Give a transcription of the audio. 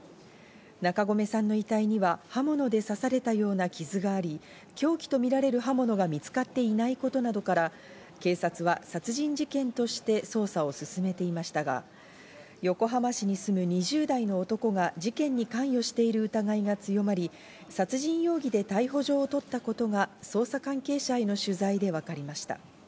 中込さんの遺体には刃物で刺されたような傷があり、凶器とみられる刃物が見つかっていないことなどから警察は殺人事件として捜査を進めていましたが、横浜市に住む２０代の男が事件に関与している疑いが強まり、殺人容疑で逮捕状をとったことが捜査関係者への取材で分かりました。